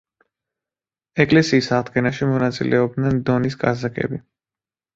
ეკლესიის აღდგენაში მონაწილეობენ დონის კაზაკები.